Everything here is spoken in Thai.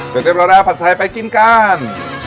เสร็จเรียบร้อยแล้วผัดไทยไปกินกัน